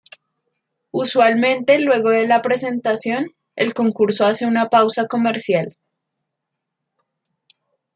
Usualmente luego de la presentación, el concurso hace una pausa comercial.